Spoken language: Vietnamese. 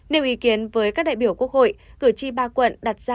nếu ý kiến với các đại biểu quốc hội cử tri ba quận đặt ra